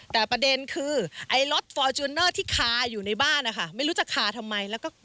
แต่ประเด็นคือไอ้รถฟอร์จูนเนอร์ที่คาอยู่ในบ้านอะค่ะ